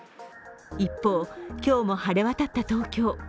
一方、今日も晴れ渡った東京。